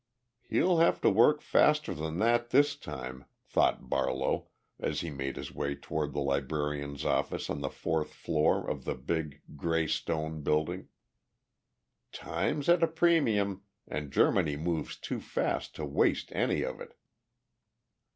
"He'll have to work faster than that this time," thought Barlow, as he made his way toward the librarian's office on the fourth floor of the big gray stone building. "Time's at a premium and Germany moves too fast to waste any of it."